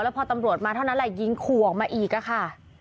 พอตำรวจมาเท่านั้นแหละยิงขู่ออกมาอีกค่ะ